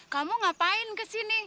kamu ngapain ke sini